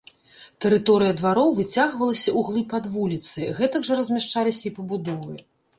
Тэрыторыя двароў выцягвалася ўглыб ад вуліцы, гэтак жа размяшчаліся і пабудовы.